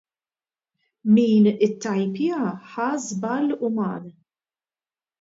Min ittajpjaha ħa żball uman.